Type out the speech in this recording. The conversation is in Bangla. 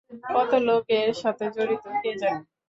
কত লোক এর সাথে জড়িত কে জানে।